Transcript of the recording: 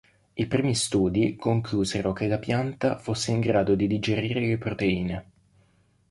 I primi studi conclusero che la pianta fosse in grado di digerire le proteine.